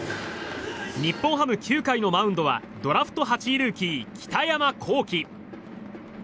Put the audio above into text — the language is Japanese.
日本ハム９回のマウンドはドラフト８位ルーキー北山亘基。